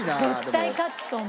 絶対勝つと思う。